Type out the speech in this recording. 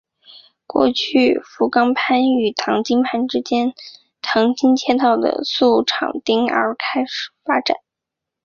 过去为福冈藩与唐津藩之间的唐津街道的宿场町而开始发展。